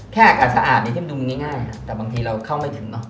แค่อากาศสะอาดนี่ที่มันดูง่ายแต่บางทีเราเข้าไม่ถึง